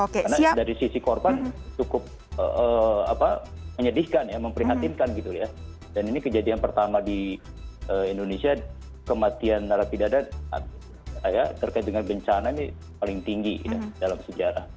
karena dari sisi korban cukup menyedihkan ya memprihatinkan gitu ya dan ini kejadian pertama di indonesia kematian narapidana terkait dengan bencana ini paling tinggi dalam sejarah